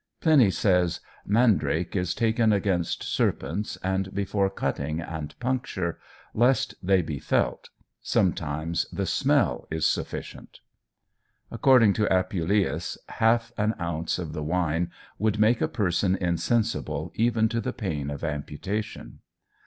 Pliny says: "Mandrake is taken against serpents, and before cutting and puncture, lest they be felt. Sometimes the smell is sufficient." According to Apuleius, half an ounce of the wine would make a person insensible even to the pain of amputation.